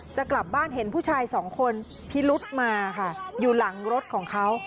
จะกลับบ้านเห็นผู้ชายสองคนพิรุธมาค่ะอยู่หลังรถของเขา